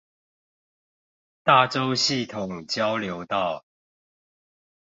大洲系統交流道